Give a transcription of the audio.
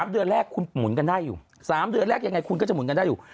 เดือนแรกคุณหมุนกันได้อยู่๓เดือนแรกยังไงคุณก็จะหมุนกันได้อยู่